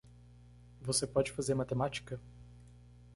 Você pode fazer matemática?